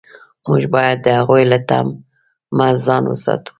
موږ باید د هغوی له طمع ځان وساتو.